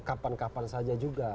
kapan kapan saja juga